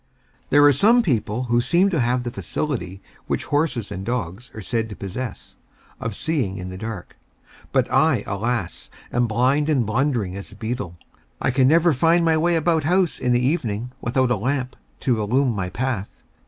There are some people who seem to have the faculty which horses and dogs are said to possess, of seeing in the dark. But I, alas! am blind and blundering as a beetle; I never can find my way about house in the evening, without a lamp to illumine my path.